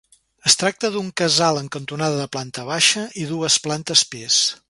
Es tracta d'un casal en cantonada de planta baixa i dues plantes pis.